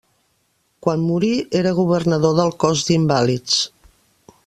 Quan morí era governador del Cos d'invàlids.